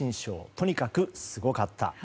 とにかくすごかった。